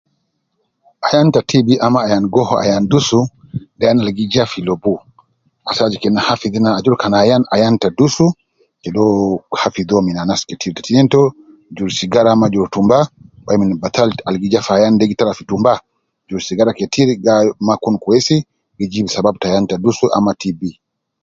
Ayan ta TB ama ayan goho ayan dusu de ayan al gi ja fi lobu ase aju kena hafidh ina ajol ab ayan ayan te dusu uwo hafidh uwo min anas te tinin to gala ma aju juru tumba de ya batal al gi ja fi ayan de gi tala fi tumba juru sigara ketir gi ah magi kun kwesi gi jib sabab te ayan te dusu ama TB